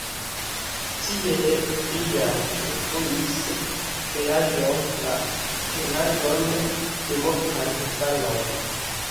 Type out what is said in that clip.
Tiel liaj influis kreaĵoj la junaĝon de multaj infanoj.